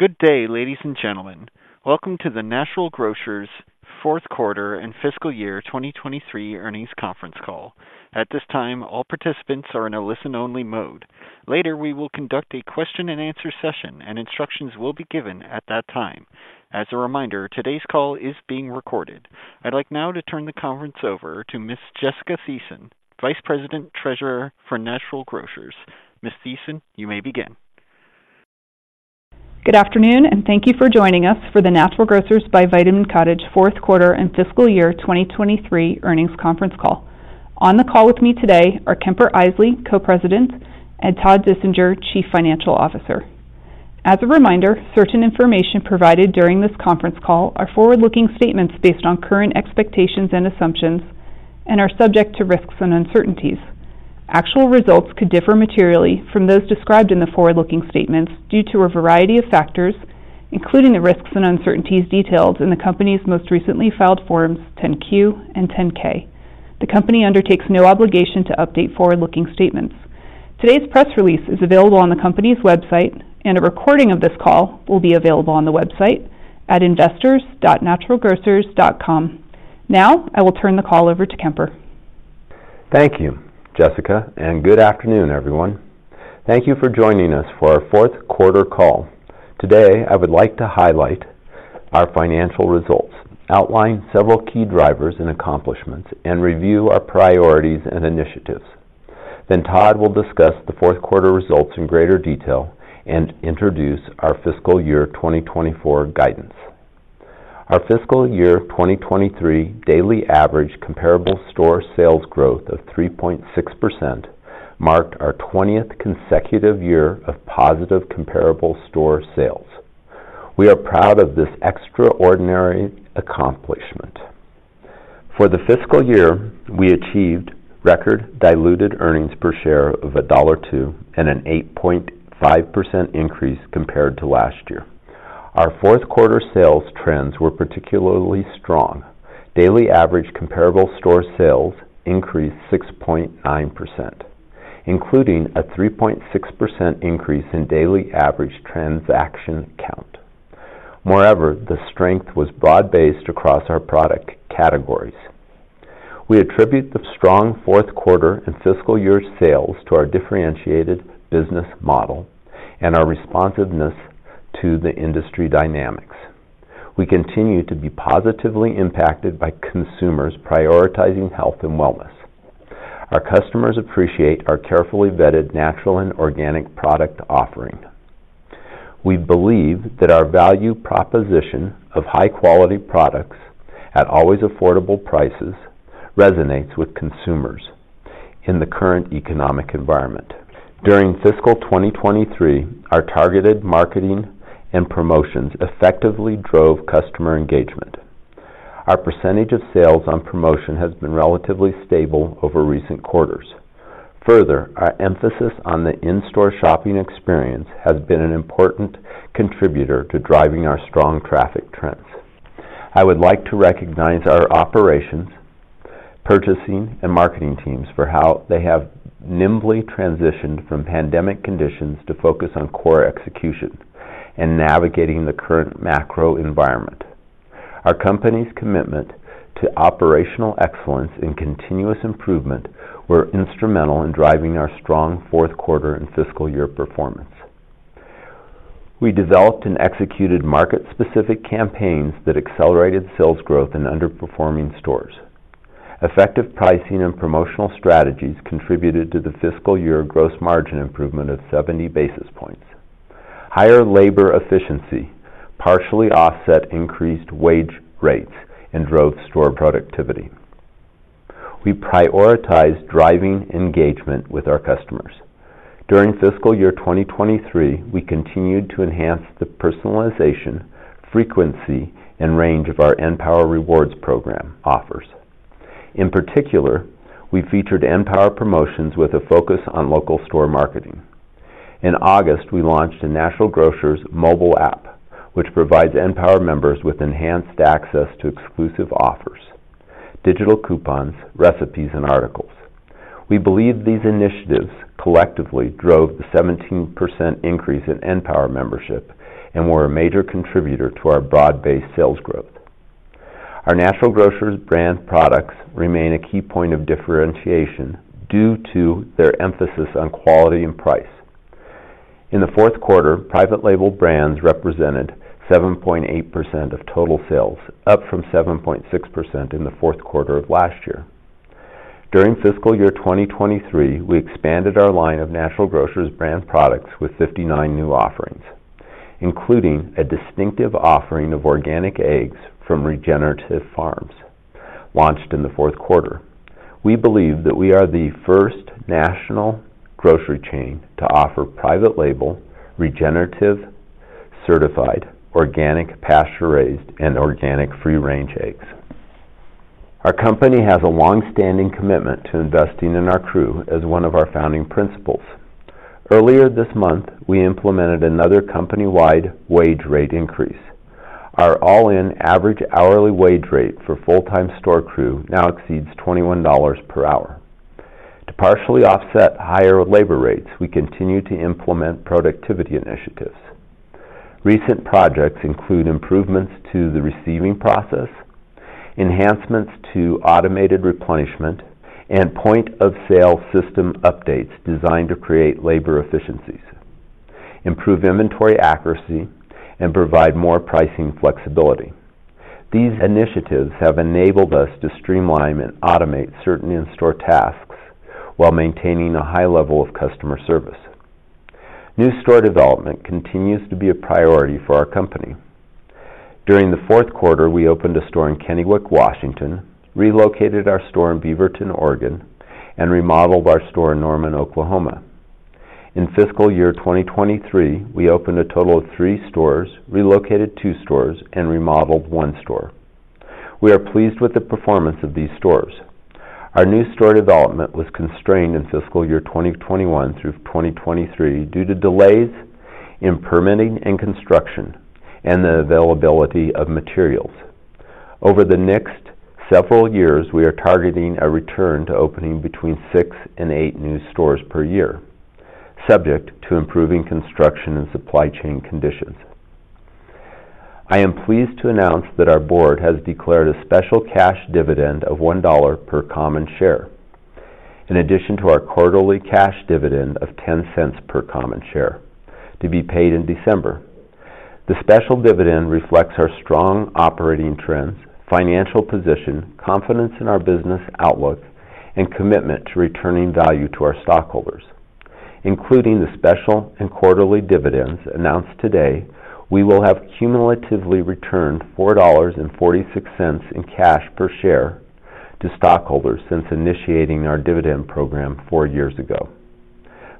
Good day, ladies and gentlemen. Welcome to the Natural Grocers Q4 and fiscal year 2023 earnings conference call. At this time, all participants are in a listen-only mode. Later, we will conduct a question and answer session, and instructions will be given at that time. As a reminder, today's call is being recorded. I'd like now to turn the conference over to Ms. Jessica Thiesen, Vice President, Treasurer for Natural Grocers. Ms. Thiessen, you may begin. Good afternoon, and thank you for joining us for the Natural Grocers by Vitamin Cottage Q4 and fiscal year 2023 earnings conference call. On the call with me today are Kemper Isely, Co-President, and Todd Dissinger, Chief Financial Officer. As a reminder, certain information provided during this conference call are forward-looking statements based on current expectations and assumptions and are subject to risks and uncertainties. Actual results could differ materially from those described in the forward-looking statements due to a variety of factors, including the risks and uncertainties detailed in the company's most recently filed Forms 10-Q and 10-K. The company undertakes no obligation to update forward-looking statements. Today's press release is available on the company's website, and a recording of this call will be available on the website at investors.naturalgrocers.com. Now, I will turn the call over to Kemper. Thank you, Jessica, and good afternoon, everyone. Thank you for joining us for our Q4 call. Today, I would like to highlight our financial results, outline several key drivers and accomplishments, and review our priorities and initiatives. Then Todd will discuss the Q4 results in greater detail and introduce our fiscal year 2024 guidance. Our fiscal year 2023 daily average comparable store sales growth of 3.6% marked our 20th consecutive year of positive comparable store sales. We are proud of this extraordinary accomplishment. For the fiscal year, we achieved record diluted earnings per share of $1.02 and an 8.5% increase compared to last year. Our Q4 sales trends were particularly strong. Daily average comparable store sales increased 6.9%, including a 3.6% increase in daily average transaction count. Moreover, the strength was broad-based across our product categories. We attribute the strong Q4 and fiscal year sales to our differentiated business model and our responsiveness to the industry dynamics. We continue to be positively impacted by consumers prioritizing health and wellness. Our customers appreciate our carefully vetted natural and organic product offering. We believe that our value proposition of high-quality products at always affordable prices resonates with consumers in the current economic environment. During fiscal 2023, our targeted marketing and promotions effectively drove customer engagement. Our percentage of sales on promotion has been relatively stable over recent quarters. Further, our emphasis on the in-store shopping experience has been an important contributor to driving our strong traffic trends. I would like to recognize our operations, purchasing, and marketing teams for how they have nimbly transitioned from pandemic conditions to focus on core execution and navigating the current macro environment. Our company's commitment to operational excellence and continuous improvement were instrumental in driving our strong Q4 and fiscal year performance. We developed and executed market-specific campaigns that accelerated sales growth in underperforming stores. Effective pricing and promotional strategies contributed to the fiscal year gross margin improvement of 70 basis points. Higher labor efficiency partially offset increased wage rates and drove store productivity. We prioritized driving engagement with our customers. During fiscal year 2023, we continued to enhance the personalization, frequency, and range of our {N}power Rewards program offers. In particular, we featured {N}power promotions with a focus on local store marketing. In August, we launched a Natural Grocers mobile app, which provides {N}power members with enhanced access to exclusive offers, digital coupons, recipes, and articles. We believe these initiatives collectively drove the 17% increase in {N}power membership and were a major contributor to our broad-based sales growth. Our Natural Grocers brand products remain a key point of differentiation due to their emphasis on quality and price. In the Q4, private label brands represented 7.8% of total sales, up from 7.6% in the Q4 of last year. During fiscal year 2023, we expanded our line of Natural Grocers brand products with 59 new offerings, including a distinctive offering of organic eggs from regenerative farms launched in the Q4. We believe that we are the first national grocery chain to offer private label, regenerative, certified organic pasture-raised, and organic free-range eggs. Our company has a long-standing commitment to investing in our crew as one of our founding principles. Earlier this month, we implemented another company-wide wage rate increase. Our all-in average hourly wage rate for full-time store crew now exceeds $21 per hour. To partially offset higher labor rates, we continue to implement productivity initiatives. Recent projects include improvements to the receiving process, enhancements to automated replenishment, and point-of-sale system updates designed to create labor efficiencies, improve inventory accuracy, and provide more pricing flexibility. These initiatives have enabled us to streamline and automate certain in-store tasks while maintaining a high level of customer service. New store development continues to be a priority for our company. During the Q4, we opened a store in Kennewick, Washington, relocated our store in Beaverton, Oregon, and remodeled our store in Norman, Oklahoma. In fiscal year 2023, we opened a total of three stores, relocated two stores, and remodeled one store. We are pleased with the performance of these stores. Our new store development was constrained in fiscal year 2021 through 2023 due to delays in permitting and construction and the availability of materials. Over the next several years, we are targeting a return to opening between six and eight new stores per year, subject to improving construction and supply chain conditions. I am pleased to announce that our board has declared a special cash dividend of $1 per common share, in addition to our quarterly cash dividend of $0.10 per common share, to be paid in December. The special dividend reflects our strong operating trends, financial position, confidence in our business outlook, and commitment to returning value to our stockholders. Including the special and quarterly dividends announced today, we will have cumulatively returned $4.46 in cash per share to stockholders since initiating our dividend program four years ago.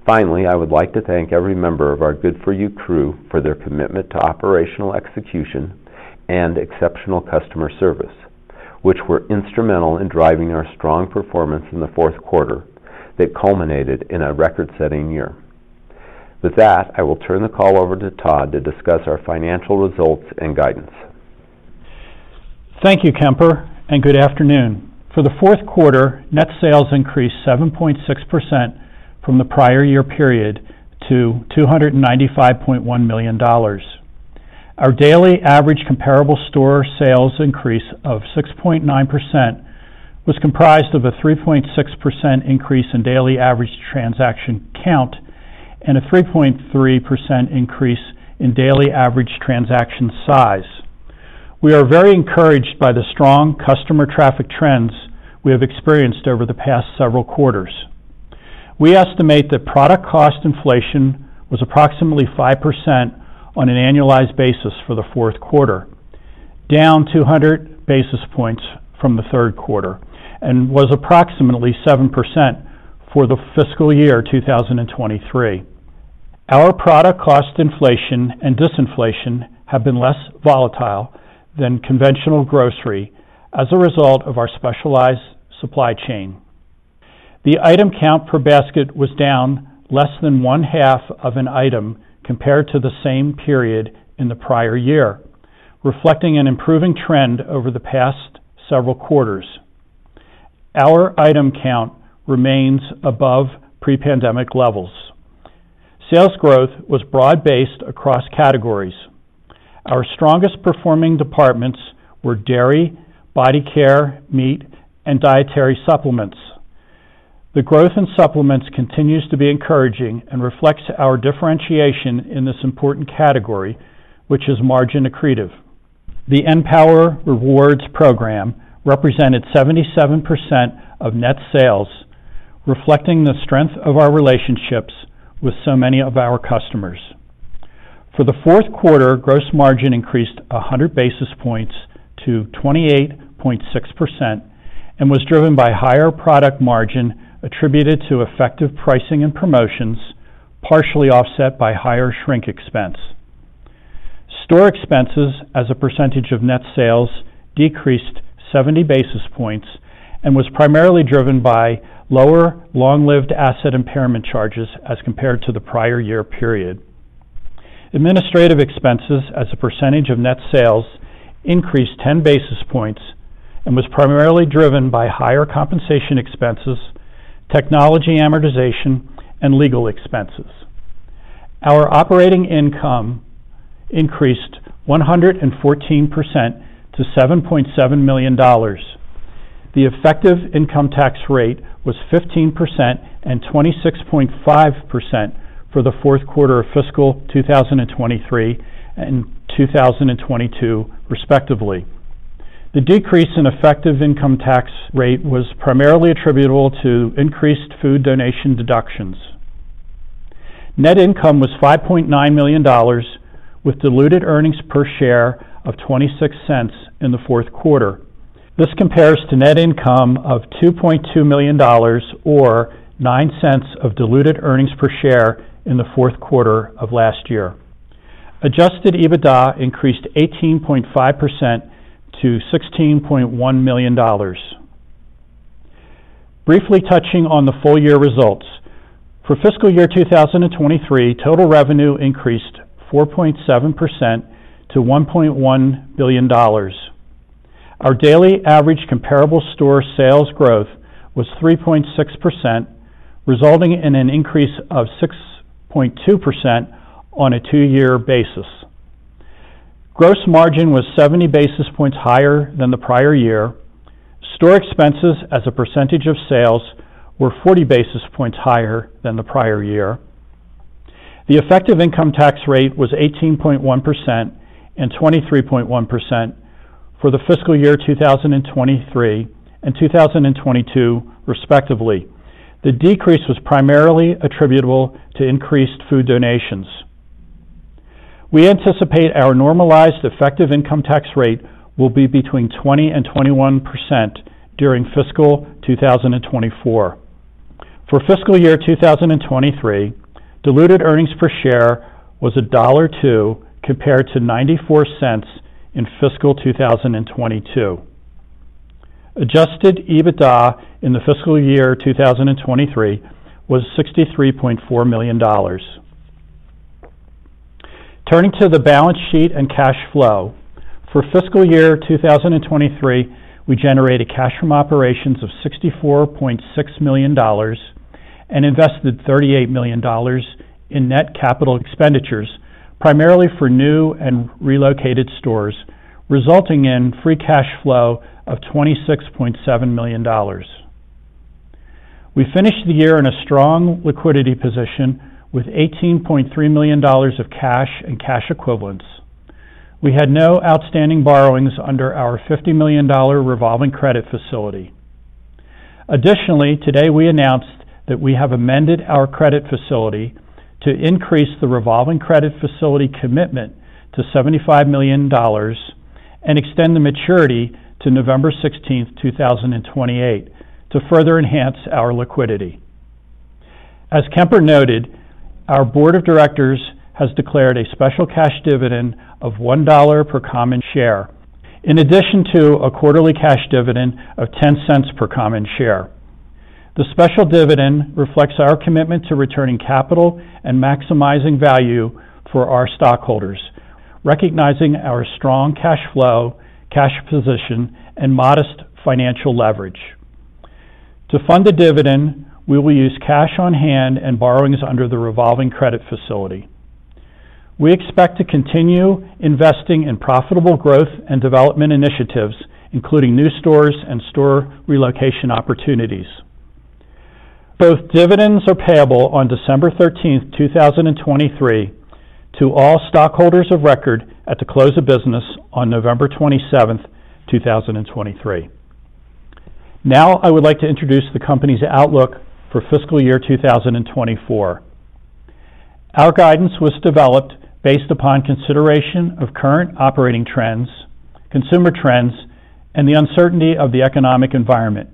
Finally, I would like to thank every member of our good4u Crew for their commitment to operational execution and exceptional customer service, which were instrumental in driving our strong performance in the Q4 that culminated in a record-setting year. With that, I will turn the call over to Todd to discuss our financial results and guidance. Thank you, Kemper, and good afternoon. For the Q4, net sales increased 7.6% from the prior year period to $295.1 million. Our daily average comparable store sales increase of 6.9% was comprised of a 3.6% increase in daily average transaction count and a 3.3% increase in daily average transaction size. We are very encouraged by the strong customer traffic trends we have experienced over the past several quarters. We estimate that product cost inflation was approximately 5% on an annualized basis for the Q4, down 200 basis points from the Q3, and was approximately 7% for the fiscal year 2023. Our product cost inflation and disinflation have been less volatile than conventional grocery as a result of our specialized supply chain. The item count per basket was down less than one half of an item compared to the same period in the prior year, reflecting an improving trend over the past several quarters. Our item count remains above pre-pandemic levels. Sales growth was broad-based across categories. Our strongest performing departments were dairy, body care, meat, and dietary supplements. The growth in supplements continues to be encouraging and reflects our differentiation in this important category, which is margin accretive. The {N}power rewards program represented 77% of net sales, reflecting the strength of our relationships with so many of our customers. For the Q4, gross margin increased 100 basis points to 28.6% and was driven by higher product margin attributed to effective pricing and promotions, partially offset by higher shrink expense. Store expenses as a percentage of net sales decreased 70 basis points and was primarily driven by lower long-lived asset impairment charges as compared to the prior year period. Administrative expenses as a percentage of net sales increased 10 basis points and was primarily driven by higher compensation expenses, technology amortization, and legal expenses. Our operating income increased 114% to $7.7 million. The effective income tax rate was 15% and 26.5% for the Q4 of fiscal 2023 and 2022, respectively. The decrease in effective income tax rate was primarily attributable to increased food donation deductions. Net income was $5.9 million, with diluted earnings per share of $0.26 in the Q4. This compares to net income of $2.2 million, or $0.09 diluted earnings per share in the Q4 of last year. Adjusted EBITDA increased 18.5% to $16.1 million. Briefly touching on the full year results. For fiscal year 2023, total revenue increased 4.7% to $1.1 billion.... Our daily average comparable store sales growth was 3.6%, resulting in an increase of 6.2% on a two-year basis. Gross margin was 70 basis points higher than the prior year. Store expenses as a percentage of sales were 40 basis points higher than the prior year. The effective income tax rate was 18.1% and 23.1% for the fiscal year 2023 and 2022, respectively. The decrease was primarily attributable to increased food donations. We anticipate our normalized effective income tax rate will be between 20% and 21% during fiscal 2024. For fiscal year 2023, diluted earnings per share was $2, compared to 94 cents in fiscal 2022. Adjusted EBITDA in the fiscal year 2023 was $63.4 million. Turning to the balance sheet and cash flow. For fiscal year 2023, we generated cash from operations of $64.6 million and invested $38 million in net capital expenditures, primarily for new and relocated stores, resulting in free cash flow of $26.7 million. We finished the year in a strong liquidity position with $18.3 million of cash and cash equivalents. We had no outstanding borrowings under our $50 million revolving credit facility. Additionally, today, we announced that we have amended our credit facility to increase the revolving credit facility commitment to $75 million and extend the maturity to November 16, 2028, to further enhance our liquidity. As Kemper noted, our board of directors has declared a special cash dividend of $1 per common share, in addition to a quarterly cash dividend of $0.10 per common share. The special dividend reflects our commitment to returning capital and maximizing value for our stockholders, recognizing our strong cash flow, cash position, and modest financial leverage. To fund the dividend, we will use cash on hand and borrowings under the revolving credit facility. We expect to continue investing in profitable growth and development initiatives, including new stores and store relocation opportunities. Both dividends are payable on December 13, 2023, to all stockholders of record at the close of business on November 27, 2023. Now, I would like to introduce the company's outlook for fiscal year 2024. Our guidance was developed based upon consideration of current operating trends, consumer trends, and the uncertainty of the economic environment.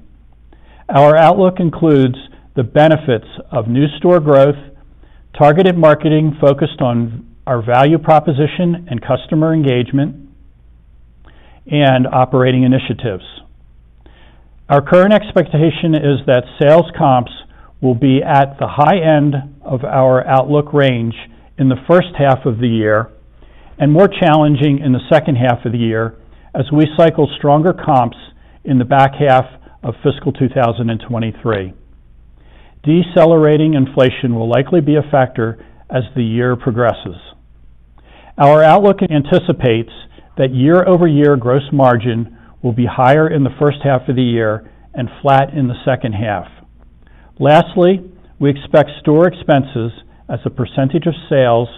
Our outlook includes the benefits of new store growth, targeted marketing focused on our value proposition and customer engagement, and operating initiatives. Our current expectation is that sales comps will be at the high end of our outlook range in the first half of the year and more challenging in the second half of the year as we cycle stronger comps in the back half of fiscal 2023. Decelerating inflation will likely be a factor as the year progresses. Our outlook anticipates that year-over-year gross margin will be higher in the first half of the year and flat in the second half. Lastly, we expect store expenses as a percentage of sales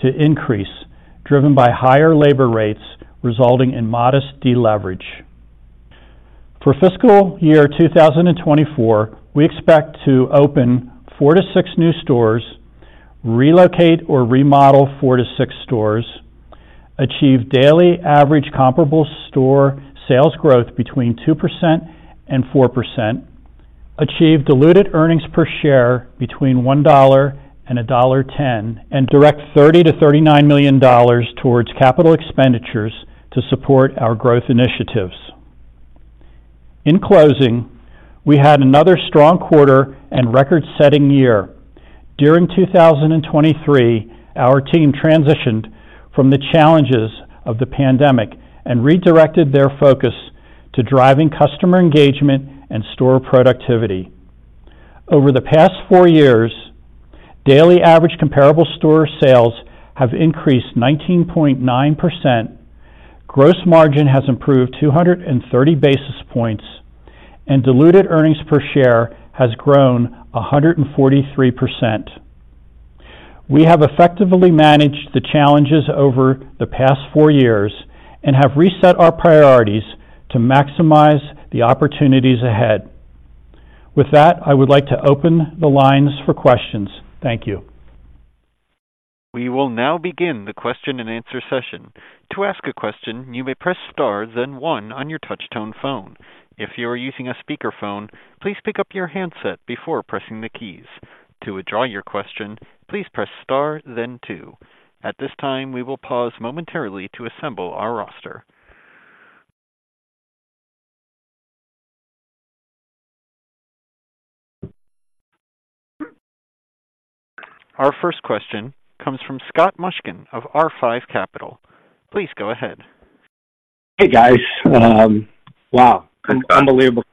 to increase, driven by higher labor rates, resulting in modest deleverage. For fiscal year 2024, we expect to open 4-6 new stores, relocate or remodel 4-6 stores, achieve daily average comparable store sales growth between 2% and 4%, achieve diluted earnings per share between $1 and $1.10, and direct $30-$39 million towards capital expenditures to support our growth initiatives. In closing, we had another strong quarter and record-setting year. During 2023, our team transitioned from the challenges of the pandemic and redirected their focus to driving customer engagement and store productivity. Over the past four years, daily average comparable store sales have increased 19.9%, gross margin has improved 230 basis points, and diluted earnings per share has grown 143%. We have effectively managed the challenges over the past four years and have reset our priorities to maximize the opportunities ahead. With that, I would like to open the lines for questions. Thank you. We will now begin the question-and-answer session. To ask a question, you may press star, then one on your touchtone phone. If you are using a speakerphone, please pick up your handset before pressing the keys. To withdraw your question, please press star, then two. At this time, we will pause momentarily to assemble our roster... Our first question comes from Scott Mushkin of R5 Capital. Please go ahead. Hey, guys. Wow, unbelievable.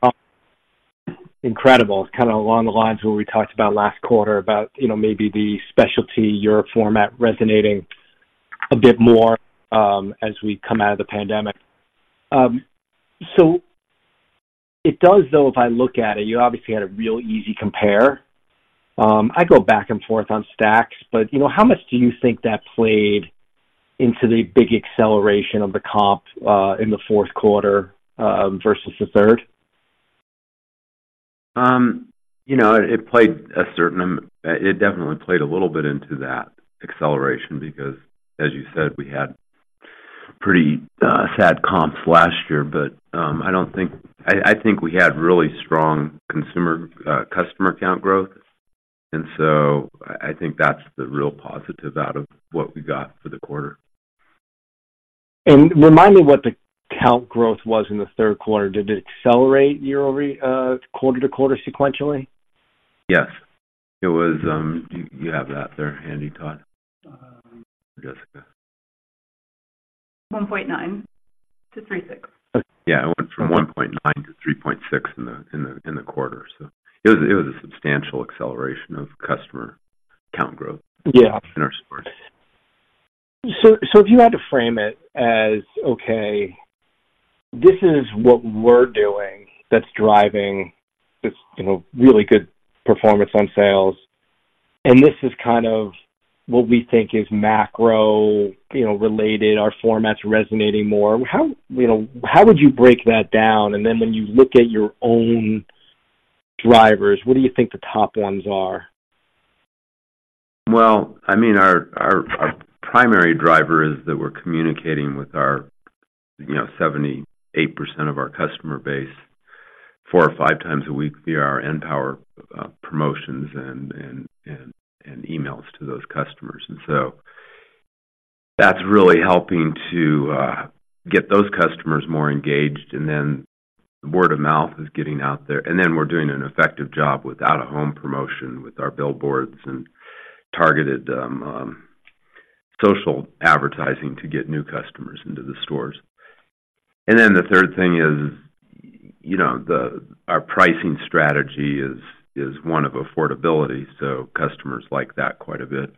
Incredible. Kind of along the lines where we talked about last quarter about, you know, maybe the specialty Europe format resonating a bit more, as we come out of the pandemic. So it does, though, if I look at it, you obviously had a real easy compare. I go back and forth on stacks, but, you know, how much do you think that played into the big acceleration of the comp, in the Q4, versus the third? You know, it definitely played a little bit into that acceleration because, as you said, we had pretty sad comps last year. But I don't think... I think we had really strong consumer customer count growth, and so I think that's the real positive out of what we got for the quarter. Remind me what the count growth was in the Q3. Did it accelerate year-over, quarter-to-quarter sequentially? Yes, it was, do you have that there handy, Todd, Jessica? 1.9-3.6. Yeah, it went from 1.9 to 3.6 in the quarter, so it was a substantial acceleration of customer count growth- Yeah. in our stores. So, if you had to frame it as, okay, this is what we're doing that's driving this, you know, really good performance on sales, and this is kind of what we think is macro, you know, related, our format's resonating more, how, you know, how would you break that down? And then when you look at your own drivers, what do you think the top ones are? Well, I mean, our primary driver is that we're communicating with our, you know, 78% of our customer base four or five times a week via our {N}power promotions and emails to those customers. And so that's really helping to get those customers more engaged, and then the word of mouth is getting out there. And then we're doing an effective job with out-of-home promotion, with our billboards and targeted social advertising to get new customers into the stores. And then the third thing is, you know, our pricing strategy is one of affordability, so customers like that quite a bit.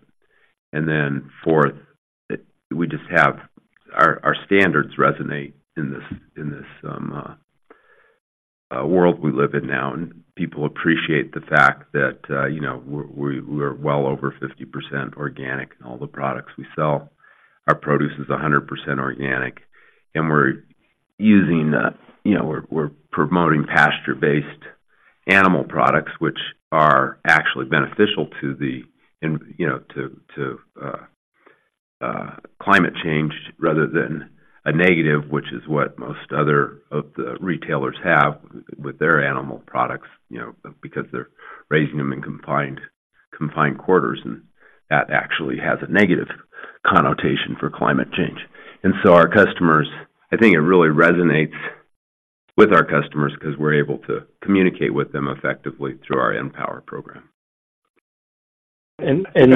And then fourth, we just have our standards resonate in this world we live in now, and people appreciate the fact that you know, we're well over 50% organic in all the products we sell. Our produce is 100% organic, and we're using you know, we're promoting pasture-based animal products, which are actually beneficial to the in you know to climate change, rather than a negative, which is what most other of the retailers have with their animal products, you know, because they're raising them in confined quarters, and that actually has a negative connotation for climate change. And so our customers, I think it really resonates with our customers because we're able to communicate with them effectively through our {N}power program. And then-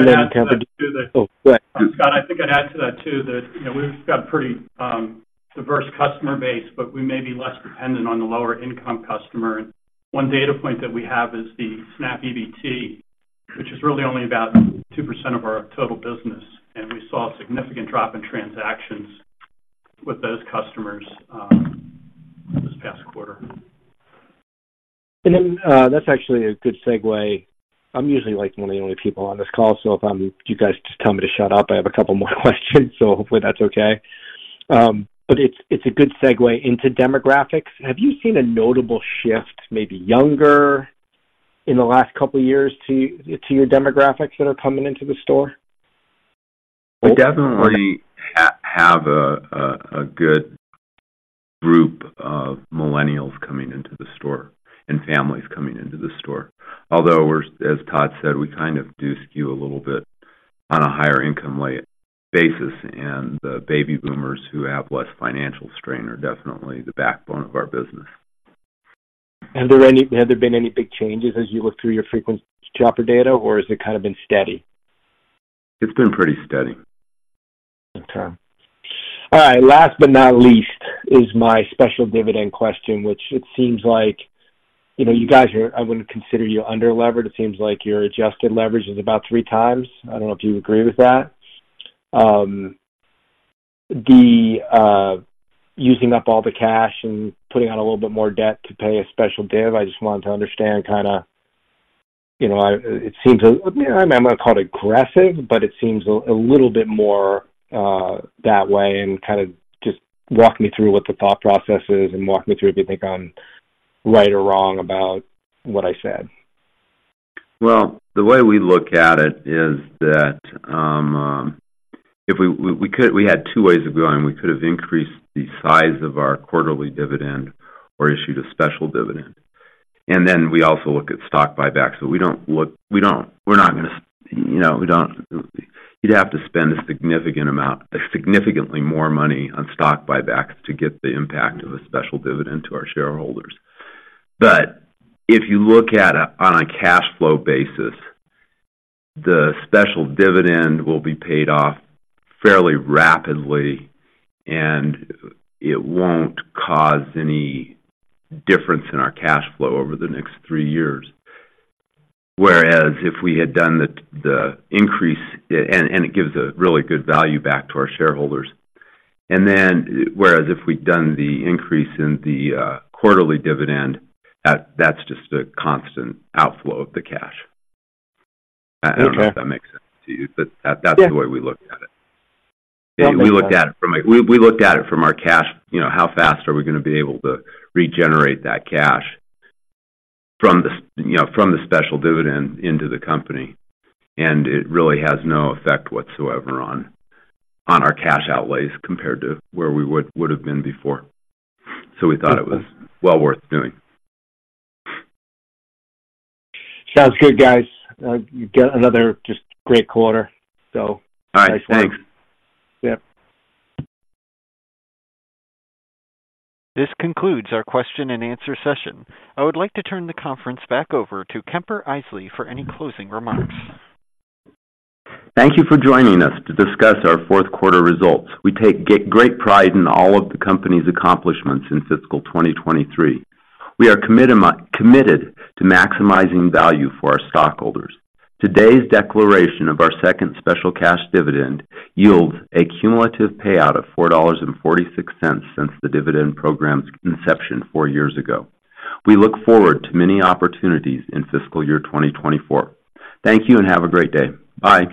Oh, go ahead. Scott, I think I'd add to that, too, that, you know, we've got a pretty diverse customer base, but we may be less dependent on the lower income customer. One data point that we have is the SNAP EBT, which is really only about 2% of our total business, and we saw a significant drop in transactions with those customers this past quarter. And then, that's actually a good segue. I'm usually, like, one of the only people on this call, so if I'm, you guys just tell me to shut up. I have a couple more questions, so hopefully that's okay. But it's, it's a good segue into demographics. Have you seen a notable shift, maybe younger, in the last couple of years to your demographics that are coming into the store? We definitely have a good group of millennials coming into the store and families coming into the store. Although, as Todd said, we kind of do skew a little bit on a higher income level basis, and the baby boomers who have less financial strain are definitely the backbone of our business. And have there been any big changes as you look through your frequent shopper data, or has it kind of been steady? It's been pretty steady. Okay. All right, last but not least, is my special dividend question, which it seems like, you know, you guys are, I wouldn't consider you underlevered. It seems like your adjusted leverage is about 3x. I don't know if you agree with that. Using up all the cash and putting out a little bit more debt to pay a special div, I just wanted to understand kind of, you know, I... It seems, I'm not going to call it aggressive, but it seems a little bit more that way, and kind of just walk me through what the thought process is and walk me through if you think I'm right or wrong about what I said. Well, the way we look at it is that if we had two ways of going. We could have increased the size of our quarterly dividend or issued a special dividend. And then we also look at stock buybacks, so we don't look. We don't, we're not gonna, you know, we don't. You'd have to spend a significant amount, significantly more money on stock buybacks to get the impact of a special dividend to our shareholders. But if you look at it on a cash flow basis, the special dividend will be paid off fairly rapidly, and it won't cause any difference in our cash flow over the next three years. Whereas if we had done the increase, and it gives a really good value back to our shareholders, and then whereas if we'd done the increase in the quarterly dividend, that's just a constant outflow of the cash. I don't know if that makes sense to you, but that- Yeah. -that's the way we look at it. We look at it from a, we look at it from our cash, you know, how fast are we gonna be able to regenerate that cash from the, you know, from the special dividend into the company? And it really has no effect whatsoever on our cash outlays compared to where we would have been before. So we thought it was well worth doing. Sounds good, guys. You get another just great quarter, so- All right, thanks. Yep. This concludes our question and answer session. I would like to turn the conference back over to Kemper Isely for any closing remarks. Thank you for joining us to discuss our Q4 results. We take great pride in all of the company's accomplishments in fiscal 2023. We are committed to maximizing value for our stockholders. Today's declaration of our second special cash dividend yields a cumulative payout of $4.46 since the dividend program's inception 4 years ago. We look forward to many opportunities in fiscal year 2024. Thank you, and have a great day. Bye.